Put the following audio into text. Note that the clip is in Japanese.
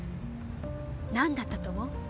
何だったと思う？